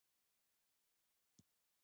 پانګوال یوازې کارګران تر استثمار لاندې راولي.